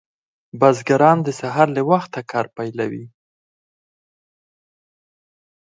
بزګران د سهار له وخته کار پیلوي.